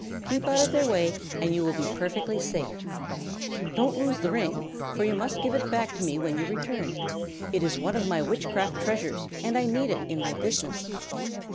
Keep out of their way and you will be perfectly safe. Don't lose the ring, for you must give it back to me when you return. It is one of my witchcraft treasures and I need it in my business."